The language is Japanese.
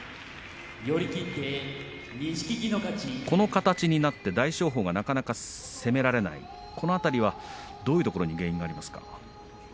この形になって大翔鵬がなかなか攻められない、この辺りはどういうところに原因がありますか？